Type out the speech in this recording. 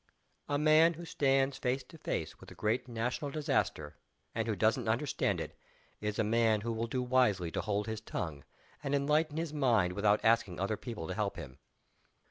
A man who stands face to face with a great national disaster, and who doesn't understand it, is a man who will do wisely to hold his tongue and enlighten his mind without asking other people to help him.